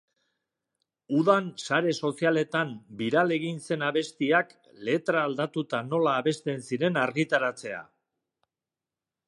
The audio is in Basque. Udan sare sozialetan biral egin zen abestiak letra aldatuta nola abesten ziren argitaratzea.